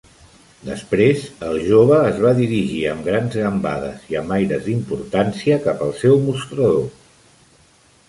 Després, el jove es va dirigir amb grans gambades i amb aires d'importància cap al seu mostrador.